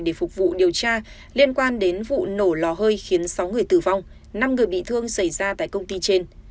để phục vụ điều tra liên quan đến vụ nổ lò hơi khiến sáu người tử vong năm người bị thương xảy ra tại công ty trên